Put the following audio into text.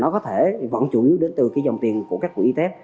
có thể vẫn chủ yếu đến từ dòng tiền của các quỹ etf